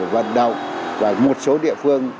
và một số địa phương